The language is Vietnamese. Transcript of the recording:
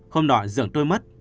hôm đó dường tôi mất